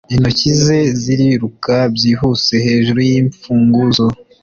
Intoki ze ziriruka byihuse hejuru yimfunguzo